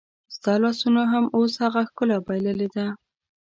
ستا لاسونو هم اوس هغه ښکلا بایللې ده